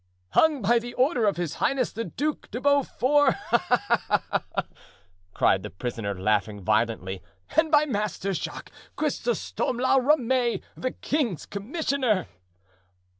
"Hung by order of his Highness the Duc de Beaufort!" cried the prisoner, laughing violently, "and by Master Jacques Chrysostom La Ramee, the king's commissioner."